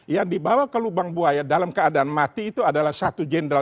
yang dibawa ke lubang buaya dalam keadaan mati itu adalah satu jenderal